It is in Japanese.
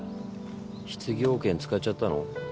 失業保険使っちゃったの？